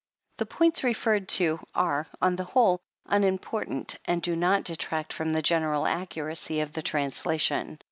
The points referred to, are, on the whole, unimportant, and do not detract from the general accu racy of the translation.